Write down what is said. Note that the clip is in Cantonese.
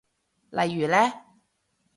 例如呢？